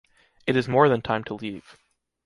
It is more than time to leave.